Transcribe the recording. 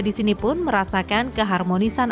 di sini pun merasakan keharmonisan